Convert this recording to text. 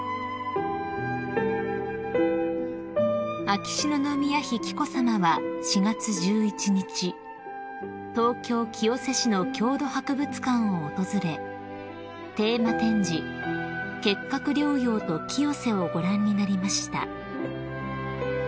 ［秋篠宮妃紀子さまは４月１１日東京清瀬市の郷土博物館を訪れテーマ展示「結核療養と清瀬」をご覧になりました］